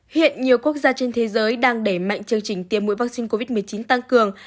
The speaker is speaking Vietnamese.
hiện nhiều quốc gia trên thế giới đang đẩy mạnh chương trình tiêm mũi vaccine covid một mươi chín tăng cường